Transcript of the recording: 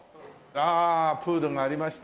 ああプールがありました。